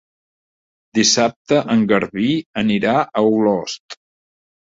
Dissabte en Garbí anirà a Olost.